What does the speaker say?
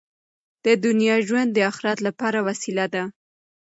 د دنیا ژوند د اخرت لپاره وسیله ده.